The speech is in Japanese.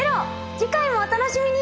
次回もお楽しみに！